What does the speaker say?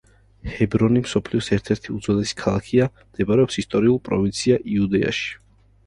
ჰებრონი მსოფლიოს ერთ-ერთი უძველესი ქალაქია, მდებარეობს ისტორიულ პროვინცია იუდეაში.